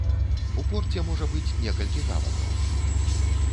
У порце можа быць некалькі гаваняў.